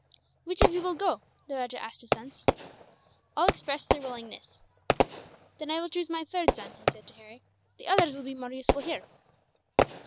"Which of you will go?" the rajah asked his sons. All expressed their willingness. "Then I will choose my third son," he said to Harry; "the others will be more useful here."